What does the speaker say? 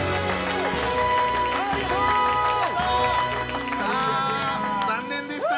ありがとう！さあ残念でした